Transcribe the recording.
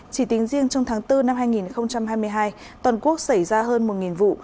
chỉ tính riêng trong tháng bốn năm hai nghìn hai mươi hai toàn quốc xảy ra hơn một vụ